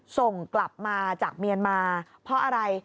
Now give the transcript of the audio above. ส่งกลับมาจากเมียนมาเพราะอะไร